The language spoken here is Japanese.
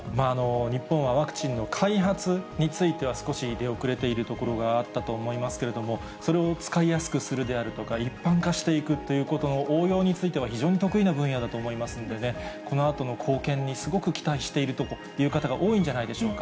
日本はワクチンの開発については、少し出遅れているところがあったと思いますけれども、それを使いやすくするであるとか、一般化していくということの応用については、非常に得意な分野だと思いますんでね、このあとの貢献にすごく期待しているという方が多いんじゃないでしょうか。